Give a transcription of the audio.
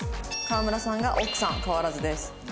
河村さんが奥さん変わらずです。